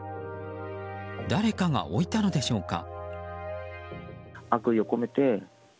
誰かが置いたのでしょうか。